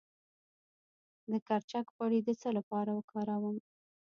د کرچک غوړي د څه لپاره وکاروم؟